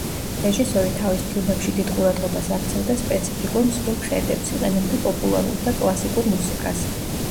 რეჟისორი თავის ფილმებში დიდ ყურადღებას აქცევდა სპეციფიკურ მსხვილ ხედებს, იყენებდა პოპულარულ და კლასიკურ მუსიკას.